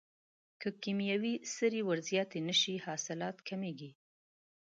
که کیمیاوي سرې ور زیاتې نشي حاصلات کمیږي.